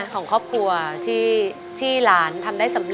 ขอบคุณครับ